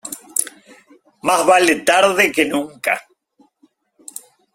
Más vale tarde que nunca.